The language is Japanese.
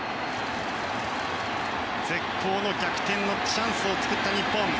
絶好の逆転のチャンスを作った日本。